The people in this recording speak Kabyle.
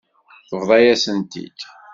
Tebḍa-yasen-t-id.